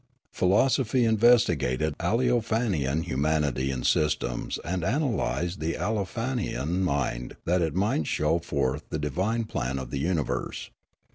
Phi losophy investigated Aleofanian humanity and systems and analysed the Aleofanian mind that it might show forth the divine plan of the universe.